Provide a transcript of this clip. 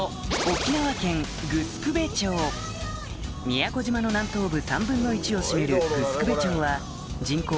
宮古島の南東部３分の１を占める城辺町は人口